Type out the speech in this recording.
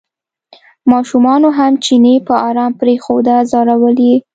ماشومانو هم چینی په ارام پرېنښوده ځورول یې.